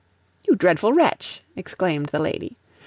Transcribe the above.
"You dreadful wretch!" exclaimed the lady.